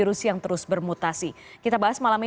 pak syahril selamat malam